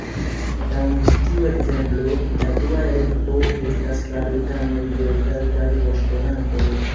En ĉi tiu ekzemplo, la dua elekto estas farita nur de kelkaj voĉdonantoj.